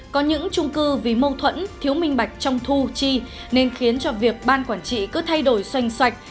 có những trung cư vì mâu thuẫn thiếu minh bạch trong thu chi nên khiến cho việc ban quản trị cứ thay đổi xoaynh sạch